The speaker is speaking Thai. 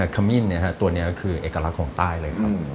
ขมิ้นตัวนี้ก็คือเอกลักษณ์ของใต้เลยครับ